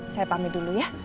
saya pamit dulu ya